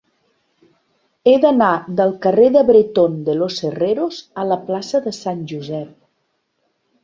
He d'anar del carrer de Bretón de los Herreros a la plaça de Sant Josep.